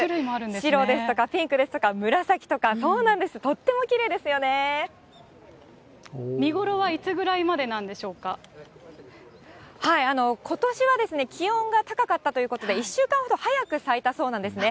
白ですとかピンクですとか、見頃はいつぐらいまでなんでことしは気温が高かったということで、１週間ほど早く咲いたそうなんですね。